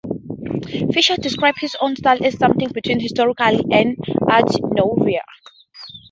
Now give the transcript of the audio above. Fischer described his own style as something between historicism and art nouveau.